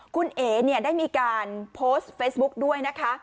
คุณเอ๋เนี่ยได้มีการโพสต์เฟซบุ๊กด้วยนะคะ